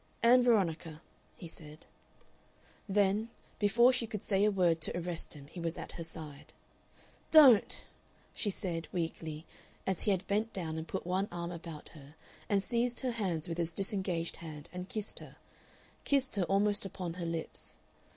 "Ann Veronica," he said. Then before she could say a word to arrest him he was at her side. "Don't!" she said, weakly, as he had bent down and put one arm about her and seized her hands with his disengaged hand and kissed her kissed her almost upon her lips.